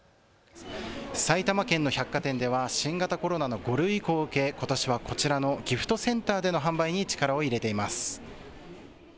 埼玉県の百貨店では新型コロナの５類移行を受け、ことしはこちらのギフトセンターでの販売に力を入れています。